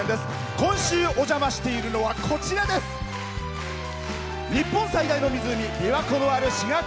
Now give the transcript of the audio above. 今週お邪魔しているのは日本最大の湖、琵琶湖のある滋賀県。